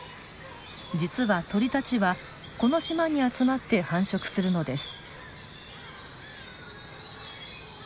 実は鳥たちはこの島に集まって繁殖するのです。